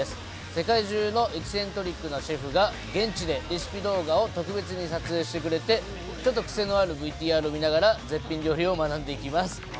世界中のエキセントリックなシェフが現地でレシピ動画を特別に撮影してくれてちょっとくせのあるＶＴＲを見ながら絶品料理を学んでいきます。